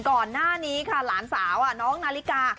ก่อนหน้านี้ค่ะหลานสาวน้องนาฬิกา